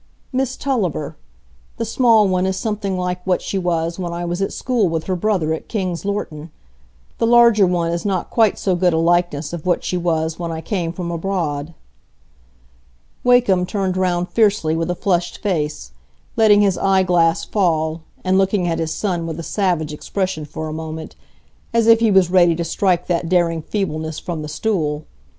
"Miss Tulliver. The small one is something like what she was when I was at school with her brother at King's Lorton; the larger one is not quite so good a likeness of what she was when I came from abroad." Wakem turned round fiercely, with a flushed face, letting his eye glass fall, and looking at his son with a savage expression for a moment, as if he was ready to strike that daring feebleness from the stool.